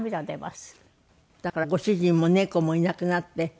だからご主人も猫もいなくなって。